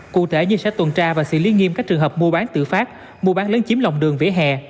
cụ thể như sẽ tuần tra và xử lý nghiêm các trường hợp mua bán tự phát mua bán lấn chiếm lòng đường vỉa hè